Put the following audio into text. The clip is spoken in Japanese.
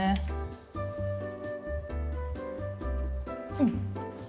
うん！